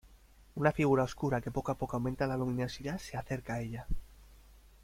Una figura oscura que poco a poco aumenta la luminosidad se acerca a ella.